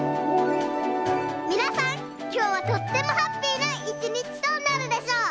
みなさんきょうはとってもハッピーないちにちとなるでしょう！